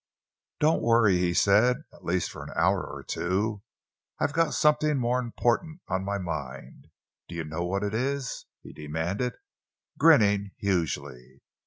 "Don't worry," he said, "at least for an hour or two. I've got something more important on my mind. Do you know what it is?" he demanded, grinning hugely.